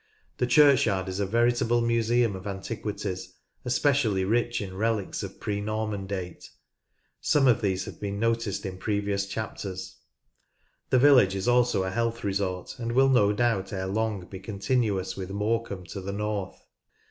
The churchyard is a veritable museum of antiquities, especially rich in relics of pre Norman date. Some of these have been noticed in Skerton Bridge, Lancaster previous chapters. The village is also a health resort, and will no doubt ere long be continuous with Morecambe to the north.